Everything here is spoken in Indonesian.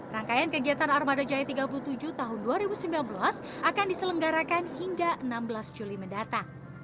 rangkaian kegiatan armada jaya tiga puluh tujuh tahun dua ribu sembilan belas akan diselenggarakan hingga enam belas juli mendatang